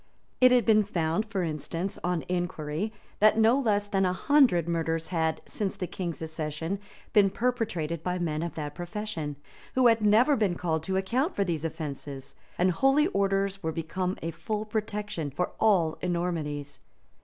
It had been found, for instance, on inquiry, that no less than a hundred murders had, since the king's accession, been perpetrated by men of that profession, who had never been called to account for these offences; and holy orders were become a full protection for all enormities.